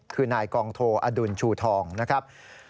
คือนายกองโทอดุลชูทองนะครับ